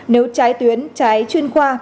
nếu trái tuyến trái chuyên khoa